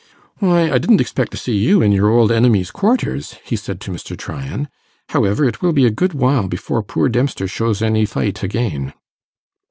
'Why, I didn't expect to see you in your old enemy's quarters,' he said to Mr. Tryan. 'However, it will be a good while before poor Dempster shows any fight again.